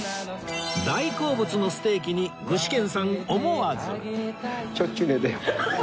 大好物のステーキに具志堅さん思わず